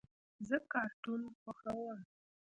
زه کارټون خوښوم.